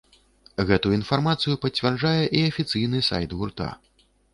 Гэту інфармацыю пацвярджае і афіцыйны сайт гурта.